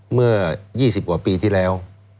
เมื่อ๒๐กว่าปีที่แล้ว